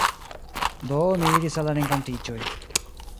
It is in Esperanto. Do, ni iris al la renkontiĝo.